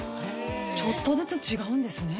ちょっとずつ違うんですね。